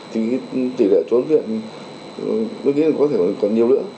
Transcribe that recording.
thì tỉ lệ trốn viện tôi nghĩ là có thể còn nhiều nữa